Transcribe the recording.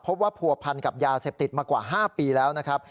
พบว่าผัวพันกับยาเสพติดมากว่า๕ปีแล้วนะครับ